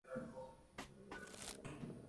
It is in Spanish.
El partido decisivo lo perdió ante Marat Safin.